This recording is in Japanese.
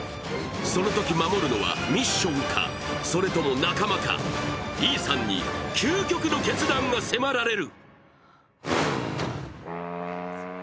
そのとき守るのはミッションか、それとも仲間か、イーサンに究極の決断が迫られる。